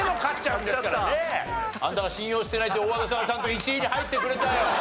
あんたが信用してないっていう大和田さんちゃんと１位に入ってくれたよ。